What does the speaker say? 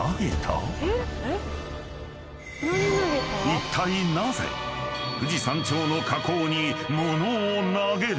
［いったいなぜ富士山頂の火口に物を投げる？］